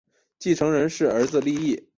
继承人是儿子利意。